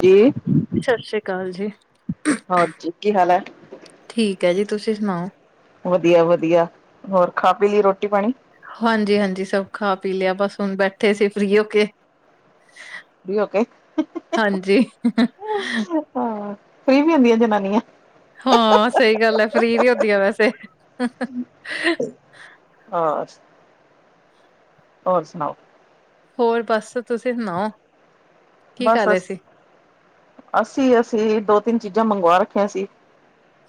ਕੀ ਸਸ ਰੀ ਕਾਲ ਜੀ। ਹੋਰ ਜੀ ਕੀ ਹਾਲ ਐ। ਠੀਕ ਐ ਜੀ ਤੁਸੀਂ ਸਨਾਓ। ਵਦੀਆ-ਵਦੀਆ, ਹੋਰ ਖਾ ਪੀ ਲੀ ਰੋਟੀ ਪਾਨੀ। ਹਾਂਜੀ-ਹਾਂਜੀ ਸਬ ਖਾ ਪੀ ਲਿਆ ਬਸ ਹੁਨ ਬੈਠੇ ਸੀ ਫਰੀ ਹੋ ਕੇ। ਫ੍ਰੀ ਹੋ ਕੇ ਹਾਂਜੀ। ਹਾਂ ਫਰੀ ਵੀ ਹੁੰਦੀਆਂ ਜਨਾਨੀਆਂ। ਹਾਂ ਸਈ ਗੱਲ ਐ ਫਰੀ ਵੀ ਹੁੰਦੀਆਂ ਵੈਸੇ। [inaudible] ਹੋਰ ਸੁਨਾਓ ਹੋਰ ਬਸ ਤੁਸੀਂ ਸਨਾਓ ਬਸ ਅਸੀਂ-ਅਸੀਂ ਦੋ ਤਿੰਨ ਚੀਜ਼ਾਂ ਮੰਗਵਾ ਰੱਖੀਆਂ ਸੀ।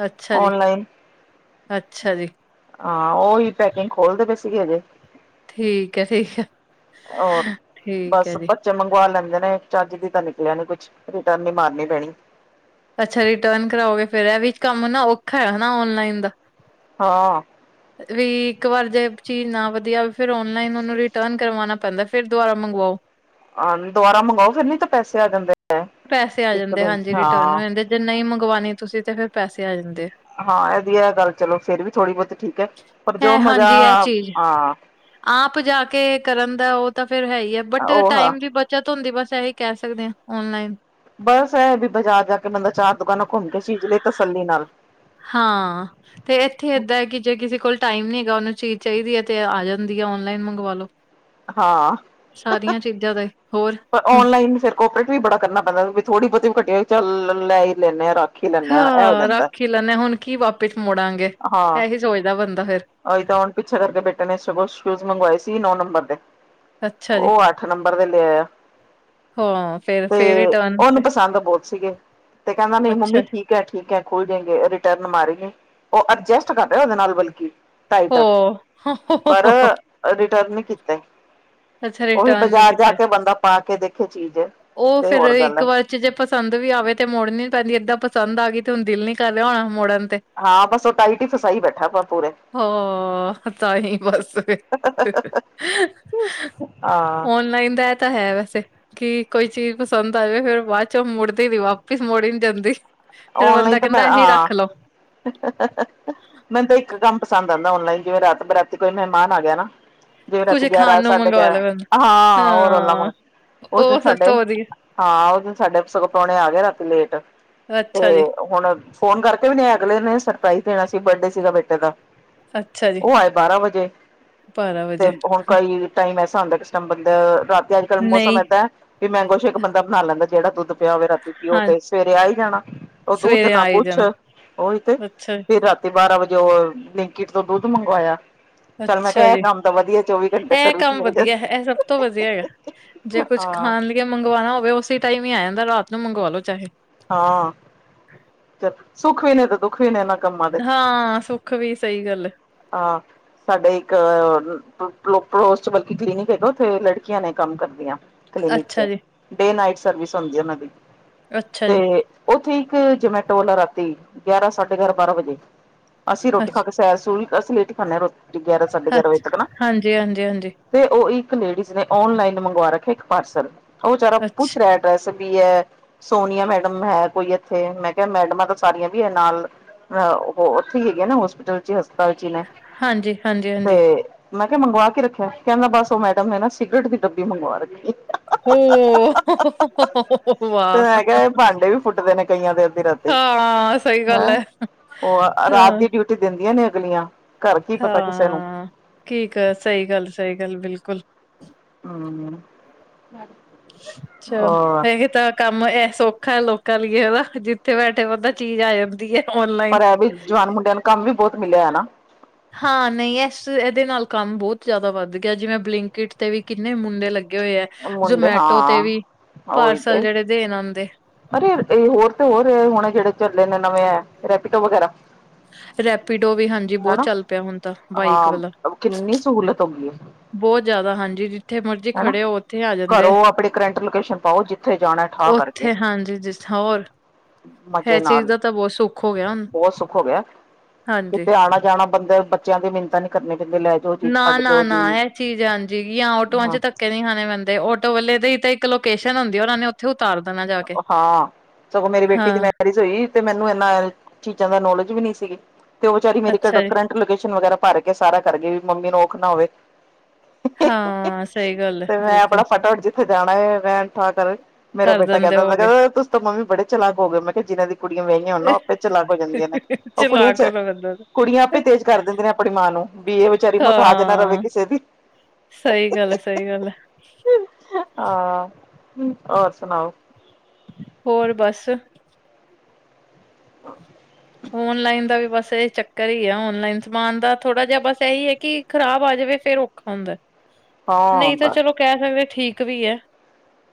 ਅੱਛਾ ਔਨਲਾਈਨ ਜੀ-ਅੱਛਾ ਜੀ। ਹਾਂ ਓਹੀ ਪੈਕਿੰਗ ਖੋਲਦੇ ਪਏ ਸੀਗੇ ਹੈਗੇ। ਠੀਕ ਐ-ਠੀਕ ਐ। ਹੋਰ ਬਸ ਬੱਚ ਚੇ ਮੰਗਵਾ ਲੈਂਦੇ ਨੇ ਚੱਜ ਦੀ ਤਾਂ ਨਿਕਲਿਆ ਨੇ ਕੁਛ, ਰਿਟਰਨ ਹੀ ਮਾਰਨੀ ਪੈਣੀ ਏ। ਅੱਛਾ ਜੀ ਰਿਟਰਨ ਕਰਾਓਗੇ ਫੇਰ ਇਹ ਵੀ ਕੰਮ ਨਾ ਔਖਾ ਹੈ ਹਨਾ ਔਨਲਾਈਨ ਦਾ। ਹਾਂ। ਵੀ ਇੱਕ ਵਾਰ ਜੇ ਚੀਜ਼ ਨਾ ਵਧੀਆ ਆਏ ਫੇਰ ਓਨਲਾਈਨ ਉਹਨੂੰ ਰਿਟਰਨ ਕਰਵਾਉਣਾ ਪੈਂਦਾ। ਫੇਰ ਦੁਬਾਰਾ ਮੰਗਵਾਓ। ਹਾਂ ਦੁਬਾਰਾ ਮੰਗਵਾਓ ਫੇਰ ਨੀ ਤਾਂ ਪੈਸੇ ਆ ਜਾਂਦੇ ਹੈ, ਪੈਸੇ ਆ ਇੱਕ ਜਾਂਦੇ ਦਿਨ ਚ ਹਾਂਜੀ ਹਾਂ। ਰਿਟਰਨ ਹੋ ਜਾਂਦੀ ਜੇ ਨਈ ਮੰਗਵਾਉਣੀ ਤੁਸੀਂ ਤੇ ਫੇਰ ਪੈਸੇ ਆ ਜਾਂਦੇ ਆ। ਹਾਂ ਇਹਦੀ ਆ ਗੱਲ ਚਲੋ ਫੇਰ ਵੀ ਥੋੜੀ ਬੋਹੁਤੀ ਠੀਕ ਹੈ, ਪਰ ਜੋ ਹੈ ਮਜ਼ਾ ਹਾਂਜੀ ਇਹ ਚੀਜ਼ ਹਾਂ ਆਪ ਜਾ ਕੇ ਕਰਨ ਦਾ ਉਹ ਤਾਂ ਫੇਰ ਹੈ ਹੀ ਹੈ, ਬਟ ਉਹ ਹਾਂ ਟਾਈਮ ਵੀ ਬ ਚਤ ਹੁੰਦੀ ਬਸ ਇਹੀ ਕਹਿ ਸਕਦੇ ਹਾਂ ਔਨਲਾਈਨ। ਬਸ ਇਹ ਵੀ ਬਾਜ਼ਾਰ ਜਾ ਕੇ ਬੰਦਾ ਚਾਰ ਦੁਕਾਨਾਂ ਕੁੱਮ ਕੇ ਚੀਜ ਲਏ ਤਸੱਲੀ ਨਾਲ। ਹਾਂ। ਤੇ ਇੱਥੇ ਏਦ ਹੈ ਕਿ ਜੇ ਕਿਸੇ ਕੋਲ ਟਾਈਮ ਨੀ ਹੈਗਾ ਉਹਨੂੰ ਚੀਜ਼ ਚਾਹੀਦੀ ਹੈ ਤੇ ਆ ਜਾਂਦੀ ਹੈ ਓਨਲਾਈਨ ਮੰਗਵਾ ਲੋ। ਹਾਂ। ਸਾਰੀਆਂ ਚੀਜ਼ਾਂ ਦਾ ਹੋਰ। ਪਰ ਹਮ ਔਨਲਾਈਨ ਫੇਰ ਕੋਪਰੇਟ ਵੀ ਬੜਾ ਕਰਨਾ ਪੈਂਦਾ ਵੀ ਥੋੜੀ ਬੋਹਤੀ ਵੀ ਘਟੀ ਚੱਲ ਲੈ ਹੀ ਲੈਂਦੇ ਆਂ ਰਾੱਖ। ਹਾਂ ਰਾਖੀ ਲੈਂਨੇ ਹਾਂ ਹੁਣ ਕੀ ਵਾਪਿਸ ਮੁੜਾਂਗੇ ਇਹੀ ਸੋਚਦਾ ਬੰਦਾ ਫੇਰ। ਏਦ ਹੁਣ ਪਿੱਛੇ ਕਰਕੇ ਬੇਟੇ ਨੇ ਸ਼ੂਜ ਮੰਗਵਾਏ ਸੀ ਨੌ ਨੰਬਰ ਦੇ। ਅੱਛਾ ਜੀ ਉਹ ਅੱਠ ਨੰਬਰ ਦੇ ਲੇ ਆਇਆ। ਹਾਂ। ਫੇਰ ਤੇ ਫੇਰ ਰਿਟਰਨ ਉਹਨੂੰ ਤੇ ਪਸੰਦ ਬੋਹਤ ਸੀਗੇ, ਤੇ ਕਹਿੰਦਾ ਨਹੀਂ ਮੰਮੀ ਅੱਛਾ ਜੀ ਠੀਕ ਕ ਠੀਕ ਹੈ ਖੋਲ ਦੇਗੇ ਰਿਟਰਨ ਮਾਰੇ ਗੇ ਉਹ ਅਡਜਸਟ ਕਰਦਾ ਵਾ ਉਹਦੇ ਨਾਲ ਬਲਕਿ ਟਾਈਟ ਆ, ਹੋ ਪਰ ਰਿਟਰਨ ਨੀ ਕੀਤਾ। ਅੱਛਾ ਉਹੀ ਰਿਟਰਨ ਨੀ ਬਾਜ਼ਾਰ ਜਾ ਕੀਤਾ ਕੇ ਬੰਦਾ ਪਾ ਕੇ ਦੇਖੇ ਚੀਜ਼। ਉਹ ਤੇ ਫੇਰ ਹੋਰ ਗੱਲ ਇੱਕ ਹੈ ਵਾਰ ਜੇ ਪਸੰਦ ਵੀ ਆਵੇ ਤੇ ਮੁੜ ਨੀ ਪੈਂਦੀ ਏਦਾਂ ਪਸੰਦ ਆ ਗਈ ਤੇ ਹੁਣ ਦਿਲ ਨੀ ਕਰ ਲਿਆ ਹੋਣਾ ਮੋੜਨ ਤੇ। ਹਾਂ ਬਸ ਉਹ ਪਾਈ ਫਸਾਈ ਬੈਠਾ ਆਪਾਂ ਪੂਰਾ। ਹਾਂ ਪਤਾ ਨਹੀ ਬਸ। ਹਾਂ। ਔਨਲਾਈਨ ਦਾ ਤਾਂ ਹੈ ਵੈਸੇ ਕਿ ਕੋਈ ਚੀਜ਼ ਪਸੰਦ ਆਵੇ ਫੇਰ ਬਾਦ ਚੋਂ ਮੁੜਦੀ ਨੀ ਵਾਪਿਸ ਮੋੜੀ ਨੀ ਜਾਂਦੀ। ਫੇਰ ਔਨਲਾਈਨ ਬੰਦਾ ਤਾਂ ਕਹਿੰਦਾ ਮੈਂ ਐਹੀ ਹਾਂ ਰੱਖ ਲੋ। [inaudible] ਮੈਨੂੰ ਤਾਂ ਇੱਕ ਕੰਮ ਪਸੰਦ ਆਂਦਾ ਔਨਲਾਈਨ, ਜਿਵੇਂ ਰਾਤ ਬਰਾਤੀ ਕੋਈ ਮਹਿਮਾਨ ਆ ਗਿਆ ਨਾ ਜਿਵੇਂ ਰਾਤ ਕੁੱਝ ਖਾਣ ਗਿਆਰਾਂ ਨੂੰ ਸਾਢੇ ਮੰਗਵਾ ਗਿਆਰਾਂ, ਲਏ ਬੰਦਾ ਹਾਂ ਹੋਰ ਰੋਲਾ। ਉਸ ਦਿਨ ਉਹ ਸਭ ਸਾਡੇ ਤੋਂ ਵਧੀਆ ਹਾਂ ਉਸ ਦਿਨ ਸਾਡੇ ਸਗੋਂ ਪ੍ਰਾਹੁਣੇ ਆ ਗਏ ਰਾਤੀ ਲੇਟ ਤੇ ਅੱਛਾ ਜੀ ਹੁਣ ਫੋਨ ਕਰਕੇ ਵੀ ਨੀ ਆਏ ਅਗਲੇ ਨੇ ਸਰਪ੍ਰਾਈਜ਼ ਦੇਣਾ ਸੀ ਬਰਡੇ ਸੀਗਾ ਬੇਟੇ ਦਾ ਅੱਛਾ ਜੀ ਉਹ ਆਏ ਬਾਰਾਂ ਵਜੇ, ਬਾਰਾਂ ਤੇ ਵਜੇ ਹੁਣ ਕਈ ਟਾਈਮ ਐਸਾ ਹੁੰਦਾ ਕਿਸ ਟਾਈਮ ਬੰਦਾ ਰਾਤ ਅੱਜ ਕੱਲ ਮੌਸਮ ਨਹੀਂ ਏਦਾਂ ਵੀ ਮੈਂਗੋ ਸ਼ੈਕ ਬੰਦਾ ਬਣਾ ਲੈਂਦਾ ਜਿਹੜਾ ਦੁੱਧ ਪਿਆ ਹੋਵੇ ਰਾਤੀ ਪੀਓ ਹਾਂ ਤੇ, ਸਵੇਰੇ ਆਈ ਜਾਣਾ ਦੁੱਧ ਸਵੇਰੇ ਨਾ ਆ ਹੀ ਕੁੱਛ, ਜਾਣਾ ਉਈ ਤੇ ਅੱਛਾ ਜੀ ਫੇਰ ਰਾਤੀ ਬਾਰਾਂ ਵਜੇ ਉਹ ਬਲਿੰਕੀਟ ਤੋਂ ਦੁੱਧ ਮੰਗਵਾਇਆ। ਚੱਲ ਮੈਂ ਅੱਛਾ ਕਿਹਾ ਇਹ ਜੀ, ਕੰਮ ਤਾਂ ਵਧੀਆ ਚੌਵੀ ਘੰਟੇ ਏ ਸਰਵਿਸ ਕੰਮ ਮਿਲ ਜਾ ਵਧੀਆ ਇਹ ਸਭ ਤੋਂ ਵਧੀਆ ਹੈ। ਜੇ ਕੁਛ ਹਾਂ ਖਾਣ ਲਈ ਮੰਗਵਾਣਾ ਹੋਵੇ ਉਸੇ ਟਾਈਮ ਈ ਆ ਜਾਂਦਾ ਰਾਤ ਨੂੰ ਮੰਗਵਾ ਲੋ ਚਾਹੇ। ਹਾਂ ਚੱਲ ਸੁੱਖ ਵੀ ਨੇ ਤੇ ਦੁੱਖ ਵੀ ਨੇ ਨਾਂ ਹਾਂ ਸੁੱਖ ਵੀ ਸਹੀ ਗੱਲ ਏ ਆਂ। ਸਾਡੇ ਇੱਕ ਪੋਲਸਟ ਵਰਗੀ ਕਲੀਨਿਕ ਹੈਗਾ ਉਥੇ ਲੜਕੀਆਂ ਨੇ ਕੰਮ ਕਰਦੀਆਂ। ਕਲੀਨਿਕ ਅੱਛਾ ਚ ਜੀ ਡੇ-ਨਾਈਟ ਸਰਵਿਸ ਹੁੰਦੀ ਏ ਉਨਾਂ ਦੀ ਅੱਛਾ ਜੀ ਤੇ ਉੱਥੇ ਇੱਕ ਜਮੈਟੋ ਵਾਲਾ ਰਾਤੀ ਗਿਆਰਾਂ-ਸਾਢੇ ਗਿਆਰਾਂ- ਬਾਰਾਂ ਵਜੇ ਅਸੀਂ ਰੋਟੀ ਖਾ ਕੇ ਅੱਛਾ ਸੁ ਸੈਰ-ਸੂਰ ਅਸੀ ਲੇਟੀ ਖਾਂਦੇ ਹਾਂ ਰੋਟੀ ਗਿਆਰਾਂ-ਸਾਢੇ ਗਿਆਰਾਂ ਵਜੇ ਅੱਛਾ ਤੱਕ ਨਾ ਹਾਂਜੀ ਹਾਂਜੀ ਹਾਂਜੀ ਤੇ ਓ ਇੱਕ ਲੇਡੀਜ਼ ਨੇ ਓਨਲਾਈਨ ਮੰਗਵਾ ਰੱਖਿਆ ਇੱਕ ਪਾਰਸਲ ਓ ਵਿਚਾਰਾ ਪੁੱਛ ਅੱਛਾ ਰਿਹਾ ਡਰੈਸ ਵੀ ਹੈ ਸੋਨੀਆ ਮੈਡਮ ਹੈ ਕੋਈ ਇੱਥੇ ਮੈਂ ਕਿਹਾ ਮੈਡਮਾਂ ਤਾਂ ਸਾਰੀਆਂ ਵੀ ਹੈ ਨਾਲ ਹ ਓ ਉੱਥੇ ਈ ਹੈਗੇ ਆ ਨਾ ਹੋਸਪਿਟਲ ਚ ਹਸਪਤਾਲ ਚ ਈ ਨੇ ਹਾਂਜੀ ਹਾਂਜੀ ਹਾਂਜੀ ਤੇ ਮੈਂ ਕਿਹਾ ਮੰਗਵਾ ਕੇ ਰੱਖਿਆ ਕਹਿੰਦਾ ਬਸ ਉਹ ਮੈਡਮ ਨੇ ਨਾ ਸਿਗਰਟ ਦੀ ਡੱਬੀ ਮੰਗਵਾ ਰੱਖੀ ਹੋ ਤੇ ਵਾਹ ਮੈਂ ਕਿਹਾ ਇਹ ਪਾਂਡੇ ਵੀ ਫੂਟਦੇ ਨੇ ਕਈਆਂ ਦੇ ਅੱਧੀ ਰਾਤੀ ਹਾਂ ਸਹੀ ਗੱਲ ਹੈਂ ਹੈ ਓ ਰਾਤ ਹਾਂ ਦੀ ਡਿਊਟੀ ਦਿੰਦੀਆਂ ਨੇ ਅਗਲੀਆਂ ਕੱਰ ਕੀ ਪਤਾ ਕਿਸੇ ਨੂੰ ਹਾਂ ਕੀ ਕਰਣ ਸਹੀ ਗੱਲ-ਸਹੀ ਗੱਲ ਬਿਲਕੁਲ। ਹ ਚਲ ਹੋਰ ਇਹ ਤਾਂ ਕੰਮ ਐ ਸੌਖਾ ਲੋਕਾਂ ਲਈ ਹੈਨਾ ਜਿੱਥੇ ਬੈਠੇ ਬੰਦਾ ਚੀਜ਼ ਆ ਜਾਂਦੀ ਏ‌। ਪਰ ਐ ਵੀ ਜਵਾਨ ਮੁੰਡਿਆਂ ਨੂੰ ਕੰਮ ਵੀ ਬੋਤ ਮਿਲਿਆ ਨਾ ਹਾਂ ਨਹੀਂ ਇਸ ਐਦੇ ਨਾਲ ਕੰਮ ਬੋਹਤ ਜ਼ਿਆਦਾ ਵੱਧ ਗਿਆ ਜਿਵੇਂ ਬਲਿੰਕਟ ਤੇ ਵੀ ਕਿੰਨੇ ਮੁੰਡੇ ਲੱਗੇ ਹੋਏ ਐ। ਮੁੰਡੇ ਜਮੈਟੋ ਤੇ ਵੀ ਹਾਂ ਉਹੀ ਪਾਰਸਲ ਤੇ ਜੇੜੇ ਦੇਣ ਆਂਦੇ। ਅਰੇ ਹੋਰ ਤੇ ਹੋਰ ਹੁਣੇ ਜੇੜੇ ਚੱਲੇ ਨੇ ਨਵੇਂ ਓ ਰੈਪੀਡੋ ਵਗੈਰਾ ਰੈਪੀਡੋ ਵੀ ਹਾਂਜ ਹੈਨਾ ਹਾਂ ਕਿੰਨੀ ਸਹੂਲਤ ਹੋ ਗਈ ਏ- ਬੋਤ ਜਾਦਾ ਹਾਂਜੀ ਜਿੱਥੇ ਮਰਜ਼ੀ ਹਨਾ। ਖੜੇ ਓ ਉੱਥੇ ਆ ਜਾਂਦੇ ਐ। ਘਰੋਂ ਆਪਣੇ ਕਰੰਟ ਲੋਕੇਸ਼ਨ ਪਾਓ ਜਿੱਥੇ ਜਾਣਾ ਠਾ ਕਰਕੇ ਜਿੱਥੇ ਹਾਂਜੀ ਜਿੱਥ‌ ਹੋਰ ਮਜ਼ੇ ਐ ਚੀਜ਼ ਨਾਲ ਦਾ ਤਾਂ ਬੋਤ ਸੁੱਖ ਹੋ ਗਿਆ ਹੁਣ। ਬਹੁਤ ਸੁੱਖ ਹੋ ਗਿਆ ਹਾਂਜੀ। ਕਿਤੇ ਆਣਾ-ਜਾਣਾ ਬੰਦੇ ਬੱਚਿਆਂ ਦੀ ਮਿੰਨਤਾਂ ਨੀ ਕਰਨੀ ਪੈਂਦੀ ਲੈ ਜੋ ਨਾ-ਨਾ-ਨਾ ਐ ਚੀਜ਼ ਹਾਂਜੀ ਯਾਂ ਓਟੋਆਂ ਚ ਧੱਕੇ ਨੀ ਖਾਣੇ ਪੈਂਦੇ ਆਟੋ ਵਾਲੇ ਦੀ ਤਾਂ ਇੱਕ ਲੋਕੇਸ਼ਨ ਹੁੰਦੀ ਏ ਉਨਾਂ ਨੇ ਓਥੇ ਉਤਾਰ ਦੇਣਾ ਜਾ ਕੇ। ਹਾਂ ਸਗੋਂ ਮੇਰੀ ਬੇਟੀ ਦੀ ਹਾਂ, ਮੈਰਿਜ ਈ ਤੇ ਮੈਨੂੰ ਏਨਾ ਚੀਜ਼ਾਂ ਦਾ ਨੌਲੇਜ ਵੀ ਨੀ ਸੀਗੀ ਤੇ ਓ ਵਿਚਾਰੀ ਮੇਰੇ ਅੱਛਾ ਜੀ, ਫ੍ਰੈਂਡ ਲੋਕੇਸ਼ਨ ਵਗੈਰਾ ਪਰ ਕੇ ਸਾਰਾ ਕਰਕੇ ਵੀ ਮੰਮੀ ਨੂੰ ਔਖ ਨਾ ਹੋਵੇ ਹਾਂ ਸਹੀ ਗੱਲ ਐ ਬਿਲਕੁਲ। ਜਿਥੇ ਜਾਣਾ ਐ ਵੈਣ ਠਾ ਕਰਣ ਕਰ ਦਨ ਤੁਸੀਂ ਤੇ ਮੰਮੀ ਤੁਸੀਂ ਬੜੇ ਚਲਾਕ ਹੋ ਗਏ ਹੋ ਮੈਂ ਕਿਹਾ ਜਿਨਾਂ ਦੀਆਂ ਕੁੜੀਆਂ ਵਿਆਹੀਆਂ ਹੋਣ ਨਾ ਓ ਆਪੇ ਚਲਾਕ ਹੋ ਜਾਂਦੀਆ ਨੇ ਓ ਕੁੜੀਆਂ ਚਲਾਕ ਚ ਹੋਣਾ ਪੈਂਦਾ ਕੁੜੀਆਂ ਉਹਦਾ। ਆਪੇ ਤੇਜ ਕਰ ਦਿੰਦੀ ਨੇ ਆਪਣੀ ਮਾਂ ਨੂੰ ਵੀ ਏ ਵਿਚਾਰੀ ਮਥਾਜ ਨਾ ਰਹੇ ਕਿ ਸੇ ਦੀ ਸਈ ਗੱਲ ਐ-ਸਈ ਗੱਲ ਐ। ਹਾਂ ਔਰ ਸੁਨਾਓ ਹੋਰ ਬਸ ਆਹ ਔਨਲਾਈਨ ਦਾ ਵੀ ਬਸ ਏ ਚੱਕਰ ਈ ਆ ਔਨਲਾਈਨ ਸਮਾਨ ਦਾ ਥੋੜਾ ਜਿਹਾ ਬਸ ਐਹੀ ਹੈ ਕਿ ਖਰਾਬ ਆ ਜਾਵੇ ਫੇਰ ਓ ਹੁੰਦਾ ਹਾਂ ਨਹੀਂ ਤਾਂ ਬਸ ਚਲੋ ਕੈ ਦਵੇ ਠੀਕ ਵੀ ਹੈ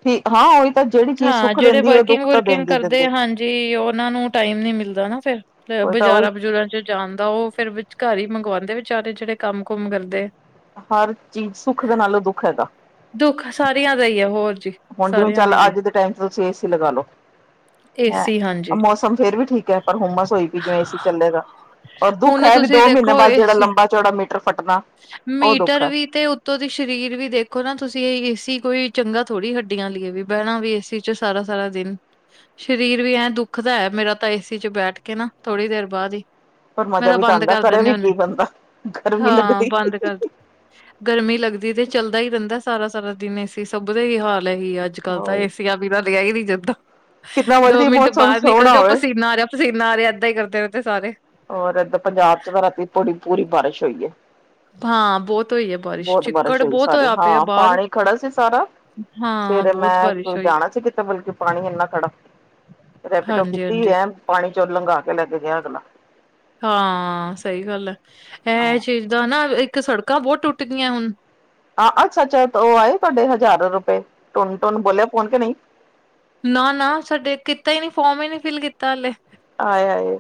ਠੀਕ ਹਾਂ ਉਹੀ ਤਾਂ ਜਿਹੜੀ ਚੀਜ਼ ਹਾਂ ਸੁੱਖ ਜੇੜੇ ਦਿੰਦੀ ਹੈ ਵਰਕਿੰਗ ਦੁੱਖ ਤਾਂ ਵੁਰਕਿੰਗ ਦਿੰਦੀ ਕਰਦੇ ਦਿੰਦੀ ਹਾਂਜੀ ਉਹਨਾ ਨੂੰ ਟਾਈਮ ਨੀ ਮਿਲਦਾ ਨਾ ਫੇਰ ਉਹੀ ਤਾਂ ਉਹੀ ਬਜ਼ਾਰਾਂ -ਬਜੂਰਾਂ ਚ ਜਾਣਦਾ ਉਹ ਫੇਿਰ ਵਿਚ ਘਰ ਹੀ ਮੰਗਵਾਂਦੇ ਵਿਚਾਰੇ ਜੇੜੇ ਕੰਮ ਕੁਮ ਕਰਦੇ ਹਰ ਚੀਜ਼ ਸੁੱਖ ਦੇ ਨਾਲੋਂ ਦੁੱਖ ਹੈਗਾ ਦੁੱਖ ਸਾਰੀਆਂ ਦਾ ਈ ਐ ਹੋਰ ਜੀ ਹੁਣ ਜਿਵੇਂ ਸਾਰਿਆਂ ਦਾ ਚੱਲ ਈ ਐ ਅੱਜ ਦੇ ਟੈਮ ਚ ਤੁਸੀਂ ਏ ਸੀ ਲਗਾ ਲੋ ਏਸੀ ਹਾਂਜੀ। ਹੈਂ ਮੌਸਮ ਫੇਰ ਵੀ ਠੀਕ ਹੈ ਪਰ ਹੁਮਸ ਹੋਈ ਵੀ ਜਿਵੇਂ ਏ ਸੀ ਚੱਲੇਗਾ ਔਰ ਦੁੱਖ ਹੁਣ ਹੈ ਵੀ ਤੁਸੀਂ ਦੋ ਮਹੀਨੇ ਦੇਖੋ ਬਾਅਦ ਜੇੜਾ ਏਸੀ ਲੰਬਾ ਚੌੜਾ ਮੀਟਰ ਪਟਣਾ ਉਹ ਦੁੱਖ ਹੈ ਉਤੋਂ ਦੀ ਸ਼ਰੀਰ ਵੀ ਦੇਖ ਦੇਖੋ ਨਾ ਤੁਸੀਂ ਏਸੀ ਕੋਈ ਚੰਗਾ ਥੋੜੀ ਹੱਡੀਆਂ ਲਈ ਏ ਵੀ ਬੈਣਾ ਵੀ ਏਸੀ ਚ ਸਾਰਾ ਸਾਰਾ ਦਿਨ। ਸਰੀਰ ਵੀ ਐਂ ਦੁੱਖ ਦਾ ਐ ਮੇਰਾ ਤਾਂ ਏਸੀ ਚ ਬੈਠ ਕੇ ਨਾ ਥੋੜੀ ਦੇਰ ਬਾਅਦ ਹੀ। ਪਰ ਮੈਂ ਮਜ਼ਾ ਤਾਂ ਵੀ ਬੰਦ ਆਉਂਦਾ ਕਰ ਕਰੇ ਦਿੰਨ ਵੀ ਹਨੇ ਕੀ ਬੰਦਾ ਗਰਮੀ ਹਾਂ ਲੱਗਦੀ ਬੰਦ ਕਰ। ਗਰਮੀ ਲੱਗਦੀ ਤੇ ਚੱਲਦਾ ਹੀ ਰੈਂਦਾ ਸਾਰਾ ਸਾਰਾ ਦਿਨ ਏਸੀ ਸਭ ਦਾ ਇਹੀ ਹਾਲ ਐ ਹੀ ਆ ਅੱਜ ਅੱਜ ਕੱਲ ਤਾਂ ਏਸੀਆਂ ਬਿਨਾ ਰੇਆ ਹੀ ਨਹੀਂ ਜਾਂਦਾਂ ਕਿੰਨਾ ਦੋ ਮਰਜੀ ਮਿੰਟ ਮੌਸਮ ਬਾਅਰ ਨਿਕਲ ਸੋਹਣਾ ਜਾਓ ਹੋਵੇ ਪਸੀਨਾ ਆ ਜਾਨ ਪਸੀਨਾ ਆ ਰੇਆ ਏਦਾਂ ਹੀ ਕਰਦੇ ਰੈਂਦੇ ਸਾਰੇ। ਔਰ ਏਦਰ ਪੰਜਾਬ ਚ ਤਾਂ ਰਾਤੀ ਬੜੀ ਪੂਰੀ ਬਾਰਿਸ਼ ਹੋਈ ਏ। ਹਾਂ ਬੋਤ ਹੋਈ ਏ ਬਾਰਿਸ਼ ਚਿੱਕੜ ਹੋਈ ਬੋਤ ਸਾਰੇ ਹੋਇਆ ਪਿਆ ਹਾਂ ਬਾਰ। ਪਾਣੀ ਖੜਾ ਸੀ ਸਾਰਾ ਸਵੇਰੇ ਬਾਰਿਸ਼ ਮੈਂ ਹੋਈ। ਜਾਣਾ ਸੀ ਕਿਤੇ ਬਲਕਿ ਪਾਣੀ ਇੰਨਾ ਖੜਾ। ਰੈਪੀਡੋ ਕੀਤੀ ਹਾਂਜੀ-ਹਾਂਜੀ, ਐ ਪਾਣੀ ਚੋਂ ਲੰਘਾ ਕੇ ਲੈ ਕੇ ਗਿਆ ਅਗਲਾ। ਹਾਂ ਸਹੀ ਗੱਲ ਐ ਹਾਂ ਇਹ ਚੀਜ਼ ਦਾ ਨਾ ਇੱਕ ਸੜਕਾਂ ਬਹੁਤ ਟੁੱਟ ਗਈਆਂ ਹੁਨ। ਹਾਂ ਅੱਛਾ ਅੱਛਾ ਓਹ ਆਏ ਤੁਹਾਡੇ ਹਜ਼ਾਰੋ ਰੁਪਏ ਟੁੰਨ ਟੁੰਨ ਬੋਲਿਆ ਫੋਨ ਕੇ ਨਈਂ। ਨਾ ਨਾ ਸਾਡੇ ਕੀਤਾ ਹੀ ਨੀ ਫੋਰਮ ਹੀ ਨੀ ਫਿਲ ਕੀਤਾ ਹਾਲੇ। ਆਏ ਆਾਏ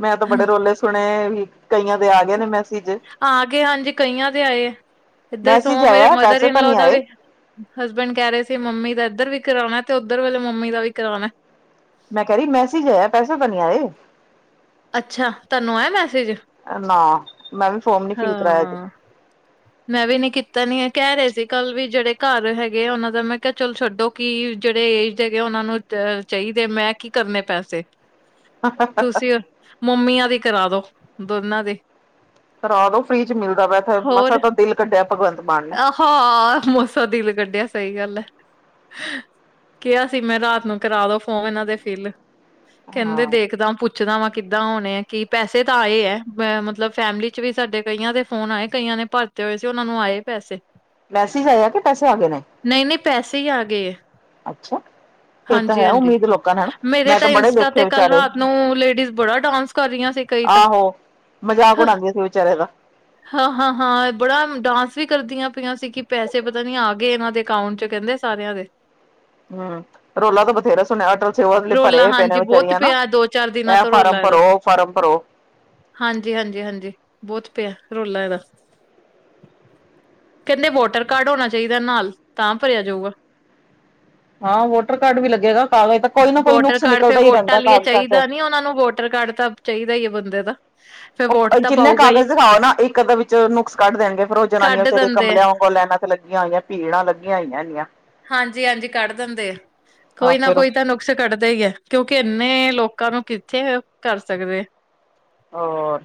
ਮੈਂ ਤਾਂ ਬੜੇ ਰੋਲੇ ਸੁਣੇ ਵੀ। ਕਈਆਂ ਦੇ ਆ ਗਏ ਨੇ ਮੈਸੇਜ ਆਗੇ ਹਾਂਜੀ ਕਈਆਂ ਦੇ ਆਏ। ਇੱਧਰ ਸੋ ਮੈਸੇਜ ਮੇਰੇ ਆਇਆ ਮਦਰ ਪੈਸੇ ਇਨ ਤਾਂ ਲੋ ਨਹੀਂ ਦਾ ਆਏ ਵੀ ਹਸਬੈਂਡ ਕੈ ਰਹੇ ਸੀ ਮੰਮੀ ਦਾ ਇੱਧਰ ਵੀ ਕਰਾਨਾ ਤੇ ਓਧਰ ਵਾਲੇ ਮੰਮੀ ਦਾ ਵੀ ਕਰਾਨਾ। ਮੈਂ ਕੈ ਰਹੀ ਮੈੇਸੇਜ ਆਇਆ ਪੈਸੇ ਤੇ ਨਹੀਂ ਆਏ। ਅੱਛਾ, ਤੁਹਾਨੂੰ ਆਇਆ ਮੈਸੇਜ? ਨਾ ਮੈਂ ਵੀ ਫੋਮ ਨੀ ਫਿਲ ਕਰਾਇਆ ਹਜੇ। ਹਾਂ। ਮੈਂ ਵੀ ਨੀ ਕੀਤਾ ਨੀ ਹੈ ਕੈ ਰਹੇ ਸੀ ਕੱਲ ਵੀ ਜੇੜੇ ਘਰ ਹੈਗੇ ਆ ਓਹਨਾਂ ਦਾ ਮੈਂ ਕਿਹਾ ਚਲ ਛੱਡੋ। ਕਿ ਜੇੜੇ ਏ ਜੇੜੇ ਓਹਨਾਂ ਨੂੰ ਚਾਈਦੇ ਮੈਂ ਕੀ ਕਰਨੇ ਪੈਸੇ। ਤੁਸੀਂ ਮੰਮੀਆਂ ਦੇ ਕਰਾ ਦੋ ਦੋਨਾਂ ਦੇ। ਕਰਾਦੋ ਫਰੀ ਚ ਮਿਲਦਾ ਪਿਆ ਮਸਾ ਤਾਂ ਦਿਲ ਕੱਢਿਆ ਭਗਵੰਤ ਮਾਨ ਨੇ। ਹਾਂ ਮਸਾ ਦਿਲ ਕੱਢਿਆ ਸਹੀ ਗੱਲ ਐ। ਕੇਆ ਸੀ ਮੈਂ ਰਾਤ ਨੂੰ ਕਰਾ ਦੋ ਫੋਮ ਇਹਨਾਂ ਦੇ ਫਿਲ। ਕੈਂਦੇ ਹਾਂ ਦੇਖਦਾ ਪੁੱਛਦਾ ਮੈਂ ਕਿੱਦਾਂ ਹੋਨੇ ਐ ਕਿ ਪੈਸੇ ਤਾਂ ਆਏ ਐ ਮਤਲਬ ਫੈਮਿਲੀ ਚ ਵੀ ਸਾਡੇ ਕਈਆਂ ਦੇ ਫੋਨ ਆਏ ਕਈਆਂ ਨੇ ਪਰ ਤੇ ਹੋਏ ਸੀ ਓਹਨਾ ਨੂੰ ਆਏ ਪੈਸੇ। ਮੈਸੇਜ ਆਇਆ ਕਿ ਪੈਸੇ ਆ ਗਏ ਨੇ ਨਹੀਂ ਨਹੀਂ ਪੈਸੇ ਹੀ ਆ ਗਏ ਅੱਛਾ। ਫੇਰ ਤਾਂ ਹਾਂਜੀ ਹੈ ਹਾਂਜੀ ਉਮੀਦ ਲੋਕਾਂ ਨੂੰ ਹਨਾ ਮੇਰੇ ਮੈਂ ਤਾਂ ਬੜੇ ਇੰਸਟਾ ਦੇਖੇ ਤੇ ਕੱਲ ਵਿਚਾਰੇ ਰਾਤ ਨੂੰ ਲੇਡੀਜ਼ ਬੜਾ ਡਾਂਸ ਕਰ ਰਹੀਆਂ ਸੀ ਕਈ ਤਾਂ। ਆਹੋ ਮਜ਼ਾਕ ਉਡਾਦੀਆਂ ਸੀ ਵਿਚਾਰੇ ਦਾ। ਹਾਂ ਹਾਂ ਹਾਂ ਬੜਾ ਡਾਂਸ ਵੀ ਕਰਦੀਆਂ ਪਈਆਂ ਸੀ ਕਿ ਪੈਸੇ ਪਤਾ ਨੀ ਆ ਗਏ ਇਹਨਾਂ ਦੇ ਅਕਾਊਂਟ ਚ ਕੈਂਦੇ ਸਾਰਿਆਂ ਦੇ। ਹਮ ਰੋਲਾ ਤਾਂ ਬਥੇਰਾ ਸੁਣਿਆ ਅਟਲ [unintelligible] ਰੌਲਾ ਪਰੇ ਪੇ ਨੇ ਹਾਂਜੀ ਬਹੁਤ ਵੇਚਾਰੀਆ ਅਨਾ, ਪਿਆ ਦੋ ਚਾਰ ਦਿਨਾਂ ਐ ਤੋਂ ਫਾਰਮ ਰੌਲਾ ਇਹਦਾ ਪਰੋ ਓ ਫਾਰਮ ਪਰੋ। ਹਾਂਜੀ, ਹਾਂਜੀ, ਹਾਂਜੀ ਬੋਤ ਪਯੈ ਰੋਲਾ ਐਦਾ। ਕੈਂਦੇ ਵੋਟਰ ਕਾਰਡ ਓਨਾ ਚਾਈਦੈ ਨਾਲ ਤਾ ਪਰੇਆ ਜਾਊਗਾ। ਹਾਂ ਵੋਟਰ ਕਾਰਡ ਵੀ ਲੱਗੇਗਾ ਕਾਗਜ਼ ਤਾ ਕੋਈ ਨਾ ਕੋਈ ਨੁਕਸ ਨਿਕਲਦਾ ਈ ਰੈਂਦੈ ਕਾਗਜਾ ਚ। ਓਨਾ ਨੂੰ ਵੋਟ ਟਰ ਕਾਰਡ ਤਾ ਚਾਈਦਾ ਈ ਏ ਬੰਦੇ ਦਾ। ਫੇਰ ਵੋਟ ਓ ਤਾਂ ਜਿੰਨੇ ਪਾਊਗਾ ਹੀ ਕਾਗਜ ਦਿਖਾਓ ਨਾ ਇੱਕ ਅੱਦਾ ਵਿੱਚ ਨੁਕਸ ਕਾੱਢ ਦੇਨਗੇ ਫੇਰ ਓ ਜਨਾਨੀਆਂ ਕੱਢ ਵਚਾਰੀਆਂ ਦਿੰਦੇ ਆ ਕਮਲਿਆ ਆਗੋਂ ਲੈਨਾ ਤੇ ਲੱਗੀਆਂ ਓਈਐ ਪੀੜਾਂ ਲੱਗੀਆਂ ਓਈਐ ਇਨੀਆਂ। ਹਾਂਜੀ-ਹਾਂਜੀ ਕਾੱਢ ਦਿੰਦੇ ਐ ਹਾਂ ਕੋਈ ਨਾ ਫੇਰ ਕੋਈ ਤਾ ਨੁਕਸ ਕੱਢਦੇ ਈ ਐ ਕਯੋਕਿ ਐਨੇ ਲੋਕਾ ਨੂੰ ਕਿੱਥੇ ਕਾਰ ਸਕਦੇ। ਔਰ।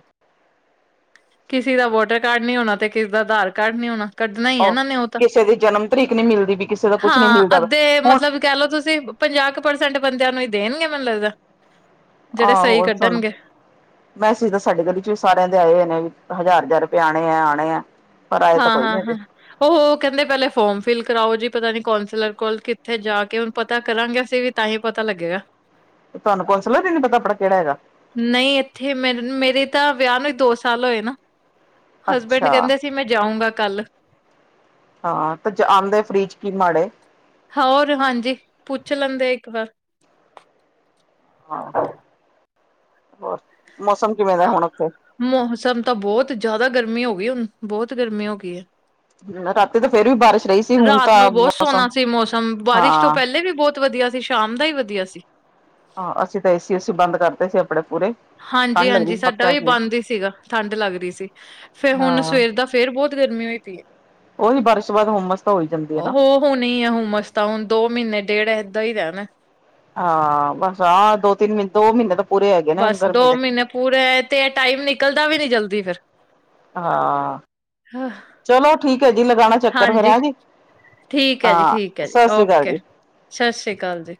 ਕਿਸੇ ਦਾ ਵੋਟਰ ਕਾਰਡ ਨੀ ਓਣਾ ਤੇ ਕਿਸੇ ਦਾ ਅਧਾਰ ਕਾਰਡ ਨੀ ਓਣਾ। ਕੱਡਨਾ ਈ ਐ ਉਹ ਏਨਾ ਨੇ ਓ ਤਾ, ਕਿਸੇ ਦੀ ਜਨਮ ਤਰੀਕ ਨੀ ਮਿਲਦੀ ਵੀ ਕਿਸੇ ਦਾ ਕੁਛ ਨੀ ਹਾਂ ਮਿਲਦਾ ਅੱਦੇ ਹੁਣ ਮਤਲਬ ਕੈ ਲੋ ਤੁਸੀ ਪਂਜਾ ਕ ਪਰਸੈਂਟ ਬਂਦੇਆਂ ਨੂੰ ਈ ਦੇਨਗੇ ਮੈਨ ਲੱਗਦਾ। ਜਿਹੜੇ ਸਹੀ ਆਹੋ ਸੁਣ। ਕੱਢਣਗੇ, ਮੈਸਿਜ ਤਾ ਸਾਡੀ ਗਲੀ ਚ ਵੀ ਸਾਰੇਆ ਦੇ ਆਏ ਓ ਨੇ ਵੀ, ਹਜ਼ਾਰ-ਹਜ਼ਾਰ ਰਪੇ ਆਣੇ ਐ ਆਣੇ ਐ। ਹਾਂ, ਹਾਂ, ਹਾਂ। ਓਹੋ ਕੈਂਦੇ ਪੈਲੇ ਫੋਮ ਫਿਲ ਕਰਾਓ ਜੀ ਪਤਾ ਨੀ ਕੌਂਸਲਰ ਕੋਲ ਕਿੱਥੇ ਜਾ ਕੇ ਓਨ ਪਤਾ ਕਰਾਗੇ ਅਸੀ ਵੀ ਤਾ ਹੀ ਪਤਾ ਲੱਗੇਗਾ। ਤੁਆਨੂੰ ਕੋਂਸਿਲਰ ਈ ਨੀ ਪਤਾ ਅਪਣਾ ਕੇੜਾ ਐਗਾ। ਨਈ ਐਥੇ ਮੈਨ ਮੇਰੇ ਤਾ ਵਯਾ ਨੂੰ ਈ ਦੋ ਸਾਲ ਓਏ ਨਾ, ਹਸਬੈਂਡ ਅੱਛਾ ਕੈਂਦੇ ਕਿ ਮੈਂ ਜਾਊਗਾ ਕਾੱਲ। ਹਾਂ ਤੇ ਜ ਆਂਦੇ ਫਰੀਚ ਕੀ ਮਾੜੇ। ਹੋਰ ਹਾਂਜੀ, ਪੁੱਛ ਲੈਂਦੇ ਇੱਕ ਵਾਰ। ਹਾਂ, ਹੋਰ ਮੌਸਮ ਕਿਵੇਂ ਦੈ ਹੋਣ ਓਥੇ। ਮੌਸਮ ਤਾ ਬੋਤ ਜ਼ਆਦਾ ਗਰਮੀ ਓ ਗਈ ਓਨ ਬੋਤ ਗਰਮੀ ਹੋ ਗਈ ਏ। ਰਾਤੀ ਤੇ ਫੇਰ ਵੀ ਬਾਰਿਸ਼ ਰਈ ਸ ਰਾਤ ਨੂੰ ਬੋਤ ਸੋਨਾ ਸੀ ਮੌਸਮ ਬਾਰਿਸ਼ ਤੋ ਹਾਂ ਪੈਲੇ ਵੀ ਬੋਤ ਵਦੀਆ ਸੀ ਸ਼ਾਮ ਦਾ ਈ ਵਦੀਆ ਸੀ। ਹਾਂ ਅਸੀ ਤਾ ਏ ਸੀ ਓ ਸੀ ਬਾਂਦ ਕਾਰਤੇ ਸੀ ਅਪਣੇ ਪੂਰੇ। ਠੰਢ ਲੱਗਦੀ ਹਾਂਜੀ-ਹਾਂਜੀ ਸੀ ਸਾਡਾ ਪੱਕਿਆਂ ਵੀ ਚ ਬਾਂਦ ਈ ਸੀਗਾ ਠਾੱਡ ਲਾੱਗ ਰੀ ਸੀ। ਫੇਰ ਹੁਨ ਸਵੇਰ ਦਾ ਫੇਰ ਬੋਤ ਗਰਮੀ ਹੋਈ ਪੀ ਏ। ਓਹੀ ਬਾਰਿਸ਼ ਤੋ ਬਾਦ ਹੁਮਸ ਤਾ ਹੋਈ ਜਾਂਦੀ ਏ ਨਾ। ਹੋਨੀ ਈ ਐ ਹੁਮਸ ਤਾ ਓਨ ਦੋ-ਮੀਨੇ ਡੇਢ ਐਦਾ ਈ ਰੈਣੈ ਹਾਂ ਬਾੱਸ ਆ ਦੋ-ਤਿੰਨ ਮੀਨ ਦੋ ਮੀਨੇ ਤਾ ਬਾਸ ਦੋ ਮੀਨੇ ਪੂਰੇ ਤੇ ਐ ਟਾਈਮ ਨਿਕਲਦਾ ਵੀ ਨੀ ਜਲਦੀ ਫੇਰ। ਹਾਂ, ਚਲੋ ਠੀਕ ਹੈ ਜੀ ਲਗਾਣਾ ਚੱਕਰ ਫੇਰ ਹਾਂਜੀ। ਹੈ ਜੀ, ਠੀਕ ਆ ਸਾਸੀ ਕਾਲ ਜੀ। ਸ਼ਾਸ਼੍ਰੀ ਕਾਲ ਜੀ।